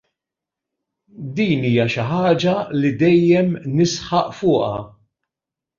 Din hija xi ħaġa li dejjem nisħaq fuqha.